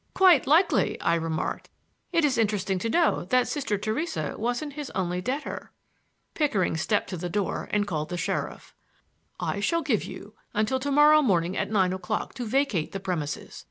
"Quite likely," I remarked. "It is interesting to know that Sister Theresa wasn't his only debtor." Pickering stepped to the door and called the sheriff. "I shall give you until to morrow morning at nine o'clock to vacate the premises.